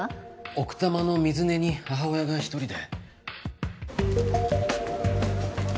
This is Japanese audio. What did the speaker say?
奥多摩の水根に母親が一人で。